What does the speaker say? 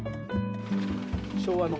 昭和の。